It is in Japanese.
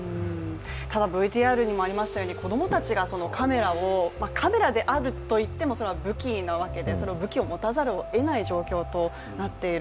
ただＶＴＲにもありましたように子供たちがカメラを、カメラであるといっても武器なわけで、その武器を持たざるをえない状況となっている。